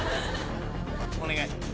お願い！